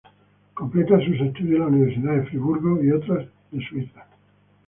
Completa sus estudios en la Universidad de Friburgo y otras de Suiza.